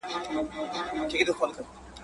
هسي ویني بهېدلې له پرهاره!